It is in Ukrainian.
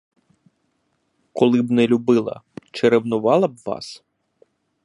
Коли б не любила, чи ревнувала б вас?